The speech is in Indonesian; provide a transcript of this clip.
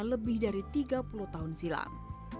lebih dari tiga puluh tahun silam